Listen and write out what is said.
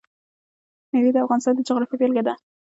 مېوې د افغانستان د جغرافیې بېلګه ده.